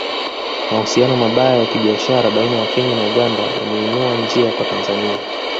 Mahusiano mabaya ya kibiashara baina ya Kenya na Uganda yameinua njia kwa Tanzania